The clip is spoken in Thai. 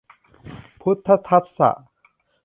พุทธัสสะ